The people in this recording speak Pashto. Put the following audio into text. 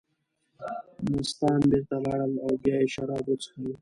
مستان بېرته لاړل او بیا یې شراب وڅښل.